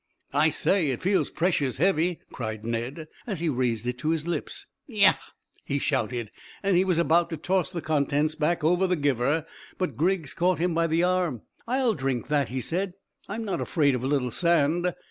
"I say, it feels precious heavy," cried Ned, as he raised it to his lips. "Yah!" he shouted, and he was about to toss the contents back over the giver, but Griggs caught him by the arm. "I'll drink that," he said; "I'm not afraid of a little sand."